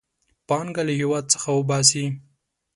پانګه له هېواد څخه وباسي.